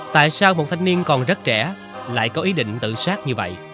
tại sao một thanh niên còn rất trẻ lại có ý định tự sát như vậy